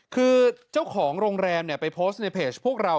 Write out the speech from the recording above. คือเจ้าของโรงแรมไปโพสต์ในเพจพวกเรา